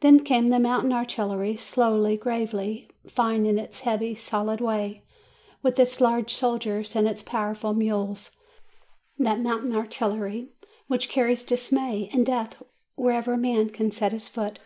Then came the mountain artillery, slowly, gravely, fine in its heavy, solid way, with its large soldiers, and its powerful mules that mountain artillery which carries dismay and death wherever man can set his foot.